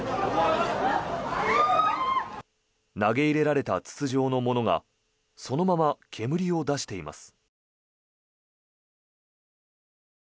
投げ入れられた筒状のものがそのまま煙を出しています。